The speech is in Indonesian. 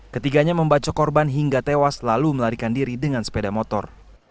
ketiganya membaco korban hingga tewas lalu melarikan diri dengan sepeda motor